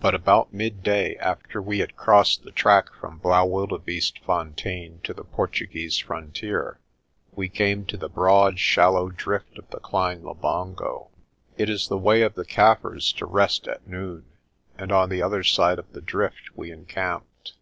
But about midday, after we had crossed the track from Blaauwildebeestef ontein to the Portu guese frontier, we came to the broad, shallow drift of the Klein Labongo. It is the way of the Kaffirs to rest at noon, and on the other side of the drift we encamped.